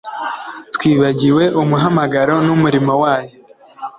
twibagiwe umuhamagaro n’umurimo wayo